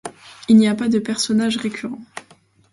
Il n'y a pas de personnages récurrents.